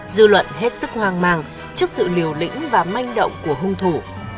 dư luận hết sức hoang mang trước sự liều lĩnh và manh động của hung thủ